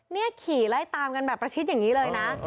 นี่ขี่ไล่ตามกันแบบประชิดอย่างนี้เลยนะ